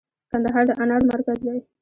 کندهار د انارو مرکز دی